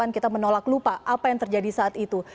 kita menolak lupa apa yang terjadi saat itu